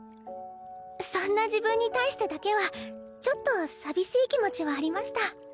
そんな自分に対してだけはちょっと寂しい気持ちはありました。